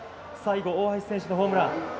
最後、大橋選手のホームラン。